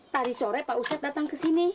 tadi sore pak ustadz datang ke sini